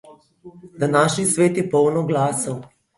Današnji svet je poln oglasov.